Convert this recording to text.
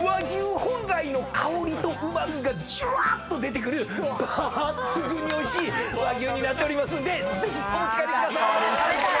和牛本来の香りとうま味がじゅわーっと出てくる抜群においしい和牛になっておりますんでぜひお持ち帰りくださーい！